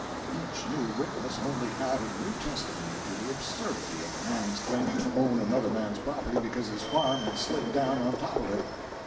Each new witness only added new testimony to the absurdity of a man's claiming to own another man's property because his farm had slid down on top of it.